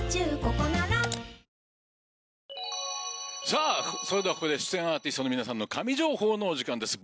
さぁそれではここで出演アーティストの皆さんの神情報のお時間です